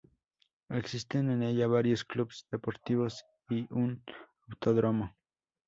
Existen en ella varios clubes deportivos y un autódromo.